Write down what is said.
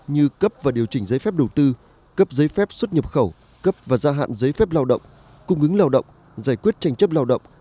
như cấp và điều chỉnh giấy phép đầu tư cấp giấy phép xuất nhập khẩu cấp và gia hạn giấy phép lao động cung ứng lao động giải quyết tranh chấp lao động